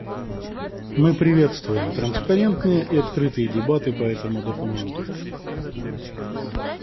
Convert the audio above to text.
Мы приветствуем транспарентные и открытые дебаты по этому документу.